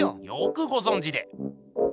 よくごぞんじで。